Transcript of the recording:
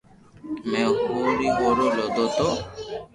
مي او ھوري رو لودو تو